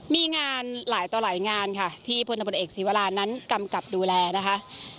มีงานหลายต่อหลายงานค่ะที่พลตำรวจเอกศีวรานั้นกำกับดูแลนะคะ